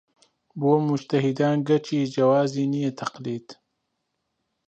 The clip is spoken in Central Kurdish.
بۆ موجتەهیدان گەرچی جەوازی نییە تەقلید